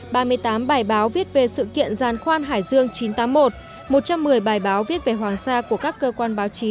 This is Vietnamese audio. ba mươi tám bài báo viết về sự kiện gian khoan hải dương chín trăm tám mươi một một trăm một mươi bài báo viết về hoàng sa của các cơ quan báo chí